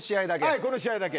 はいこの試合だけ。